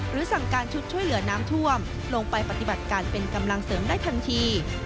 สั่งการชุดช่วยเหลือน้ำท่วมลงไปปฏิบัติการเป็นกำลังเสริมได้ทันที